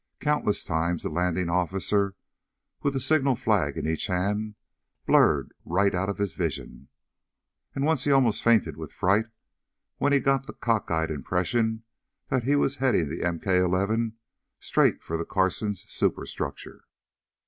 Countless times the landing officer, with a signal flag in each hand, blurred right out of his vision. And once he almost fainted with fright when he got the cockeyed impression that he was heading the MK 11 straight for the Carson's superstructure.